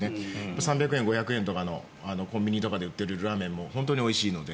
３００円とか５００円でコンビニとかで売っているラーメンも本当においしいので